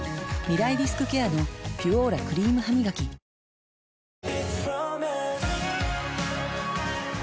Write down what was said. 未来リスクケアの「ピュオーラ」クリームハミガキことし